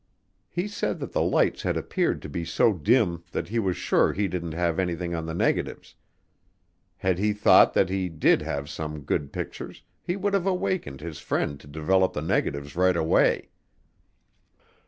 He said that the lights had appeared to be so dim that he was sure he didn't have anything on the negatives; had he thought that he did have some good pictures he would have awakened his friend to develop the negatives right away.